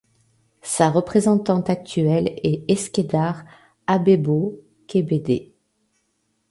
Sa représentante actuelle est Eskedar Abebaw Kebede.